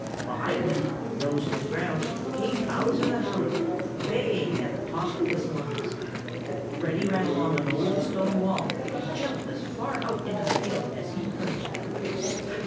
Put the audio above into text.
Behind him, nose to the ground, came Bowser the Hound, baying at the top of his lungs. Reddy ran along an old stone wall and jumped as far out into the field as he could.